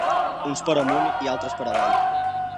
Uns per amunt i altres per avall.